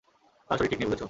তার শরীর ঠিক নেই, বুঝেছ?